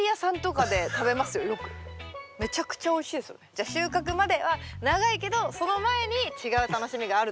じゃ収穫までは長いけどその前に違う楽しみがあるという。